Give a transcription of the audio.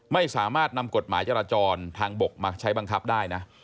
ไม่สามารถนำกฎหมายจราจรทางบกมาใช้บังคับได้นะ